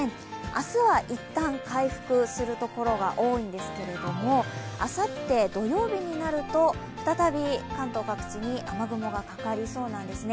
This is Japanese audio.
明日はいったん回復するところが多いんですけれどもあさって、土曜日になると再び、関東各地に雨雲がかかりそうなんですね。